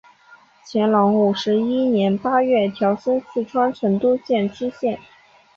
乾隆五十一年八月调升四川成都县知县。